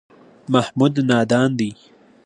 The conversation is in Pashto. محمود نادان دی.